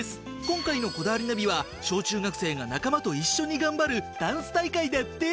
今回の『こだわりナビ』は小・中学生が仲間と一緒に頑張るダンス大会だって！